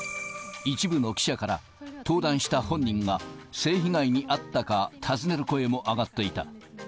一部の記者から、登壇した本人が性被害に遭ったか尋ねる声も上がっていた。